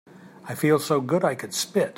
I feel so good I could spit.